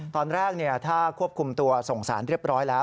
ตอนแรกถ้าควบคุมตัวส่งสารเรียบร้อยแล้ว